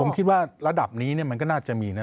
ผมคิดว่าระดับนี้มันก็น่าจะมีนะ